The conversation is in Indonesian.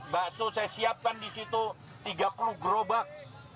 bakso saya siapkan di situ tiga puluh gerobak